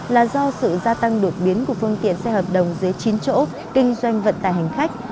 là do sự gia tăng đột biến của phương tiện xe hợp đồng dưới chín chỗ kinh doanh vận tải hành khách